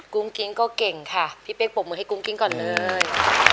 กิ้งก็เก่งค่ะพี่เป๊กปรบมือให้กุ้งกิ๊งก่อนเลย